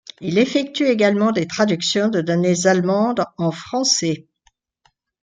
Il effectue également des traductions de données allemandes en français.